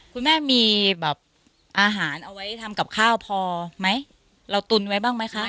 คุณแม่มีแบบอาหารเอาไว้ทำกับข้าวพอไหมเราตุนไว้บ้างไหมคะ